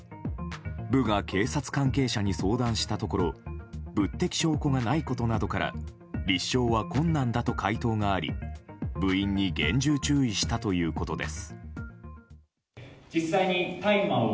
部が警察関係者に相談したところ物的証拠がないことなどから立証は困難だと回答があり部員に厳重注意したということです。